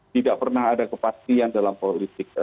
tidak pernah ada kepastian dalam politik